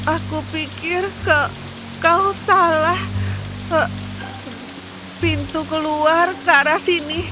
aku pikir kau salah pintu keluar ke arah sini